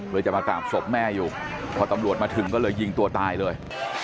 จะมากราบศพแม่อยู่พอตำรวจมาถึงก็เลยยิงตัวตายเลย